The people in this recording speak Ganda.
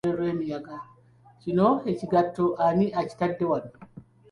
Kino ekigatto ani akitadde wano?